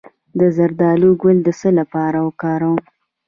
د زردالو ګل د څه لپاره وکاروم؟